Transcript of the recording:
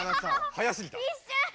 速すぎた。